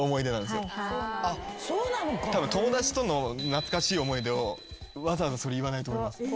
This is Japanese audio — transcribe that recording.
友達との懐かしい思い出をわざわざそれ言わないと思います。